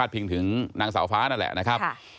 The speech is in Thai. พิงถึงนางสาวฟ้านั่นแหละนะครับ